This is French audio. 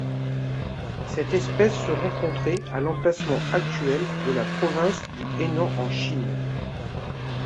Cette espèce se rencontrait à l'emplacement actuel de la province du Henan en Chine.